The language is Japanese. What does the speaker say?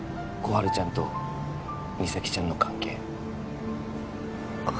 春ちゃんと実咲ちゃんの関係心